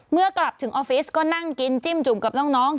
กลับถึงออฟฟิศก็นั่งกินจิ้มจุ่มกับน้อง